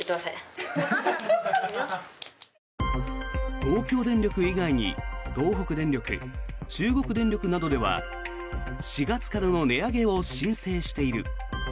東京電力以外に東北電力、中国電力などでは４月からの値上げを申請している。